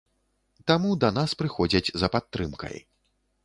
Таму да нас прыходзяць за падтрымкай.